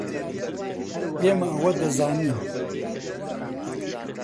ئێمە ئەوە دەزانین.